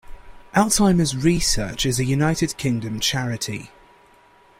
Alzheimer's Research is a United Kingdom charity.